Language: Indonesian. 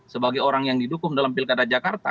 sebagai orang yang didukung dalam pilkada jakarta